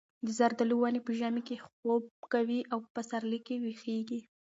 د زردالو ونې په ژمي کې خوب کوي او په پسرلي کې ویښېږي.